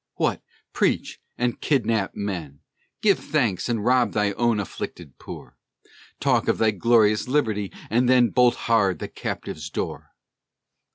What! preach, and kidnap men? Give thanks, and rob thy own afflicted poor? Talk of thy glorious liberty, and then Bolt hard the captive's door?